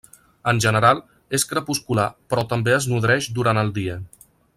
En general, és crepuscular però també es nodreix durant el dia.